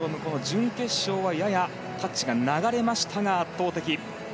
ショーストロム準決勝は、ややタッチが流れましたが、圧倒的。